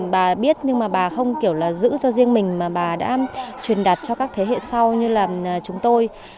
bà biết nhưng mà bà không kiểu là giữ cho riêng mình mà bà đã truyền đặt cho các thế hệ sau như là chúng tôi